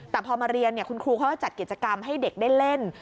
แต่พอมาเรียนคุณครูเขาก็จัดกิจกรรมให้เด็กได้เล่น